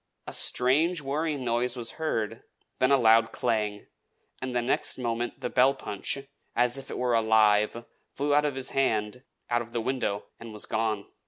A strange whirring noise was heard, then a loud clang; and the next moment the bell punch, as if it were alive, flew out of his hand, out of the window, and was gone!